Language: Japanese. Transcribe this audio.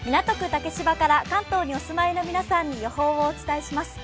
竹芝から関東にお住まいの皆さんに予報をお伝えします。